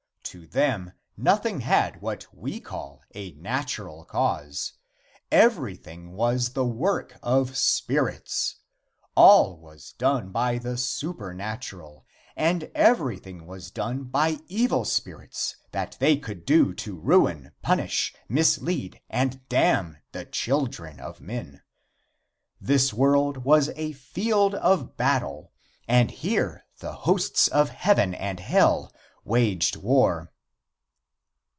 To them nothing had what we call a natural cause. Everything was the work of spirits. All was done by the supernatural, and everything was done by evil spirits that they could do to ruin, punish, mislead and damn the children of men. This world was a field of battle, and here the hosts of heaven and hell waged war.